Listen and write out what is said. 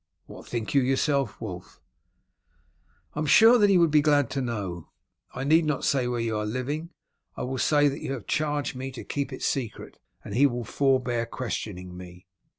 "What think you yourself, Wulf?" "I am sure that he would be glad to know. I need not say where you are living. I will say that you have charged me to keep it secret, and he will forbear questioning me.